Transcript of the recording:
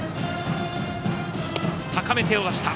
高めに手を出した。